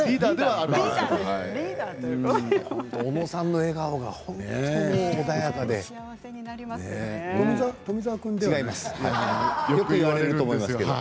小野さんの笑顔が本当に穏やかですね。